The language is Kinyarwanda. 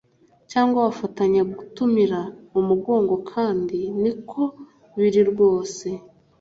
cyangwa bafatanya gutumira umugongo kandi niko biri rwose